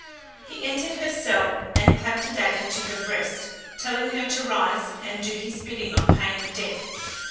He entered her cell and clapped a dagger to her breast, telling her to rise and do his bidding on pain of death.